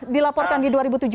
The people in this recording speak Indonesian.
dilaporkan di dua ribu tujuh belas